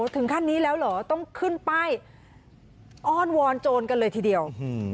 ถึงขั้นนี้แล้วเหรอต้องขึ้นป้ายอ้อนวอนโจรกันเลยทีเดียว